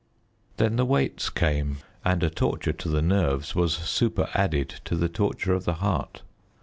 Then the Waits came, and a torture to the nerves was superadded to the torture of the heart.